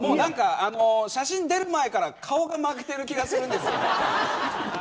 写真出る前から顔が負けてる気がします。